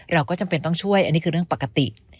เราก็จำเป็นต้องช่วยอันนี้คือเรื่องปกติ